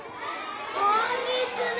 「ごんぎつね」！